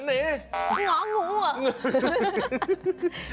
หองูเหรอ